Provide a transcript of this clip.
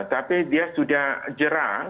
tapi dia sudah jerang